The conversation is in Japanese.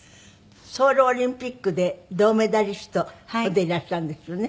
ソウルオリンピックで銅メダリストでいらっしゃるんですよね？